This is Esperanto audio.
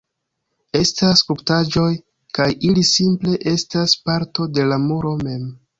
Estas skulptaĵoj kaj ili simple estas parto de la muro mem